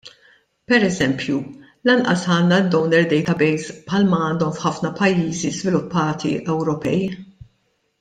Pereżempju lanqas għandna d-donor database bħalma għandhom f'ħafna pajjiżi żviluppati Ewropej.